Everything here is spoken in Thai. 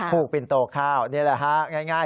ปินโตข้าวนี่แหละฮะง่าย